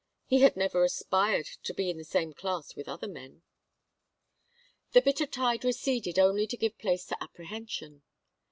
He had never aspired to be in the same class with other men. The bitter tide receded only to give place to apprehension.